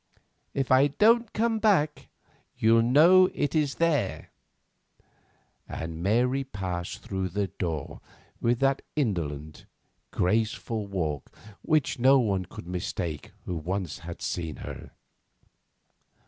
If I don't come back, you'll know it is there," and Mary passed through the door with that indolent, graceful walk which no one could mistake who once had seen her.